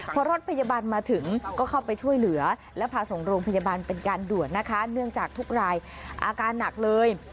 พอรถพยาบาลมาถึงก็เข้าไปช่วยเหลือและพาส่งโรงพยาบาลเป็นการด่วนนะคะเนื่องจากทุกรายอาการหนักเลย